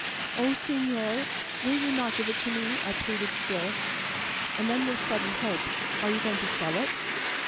"Oh, senor, will you not give it to me?" I pleaded still; and then, with sudden hope, "Are you going to sell it?"